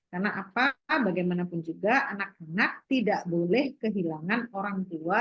karena apa bagaimanapun juga anak anak tidak boleh kehilangan orang tua